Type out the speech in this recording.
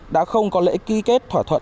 đã không có lễ ký kết thỏa thuận